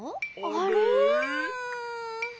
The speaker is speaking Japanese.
あれ？